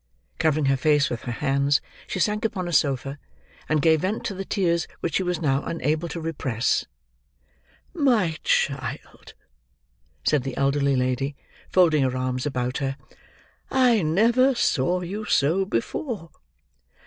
Covering her face with her hands, she sank upon a sofa, and gave vent to the tears which she was now unable to repress. "My child!" said the elderly lady, folding her arms about her, "I never saw you so before."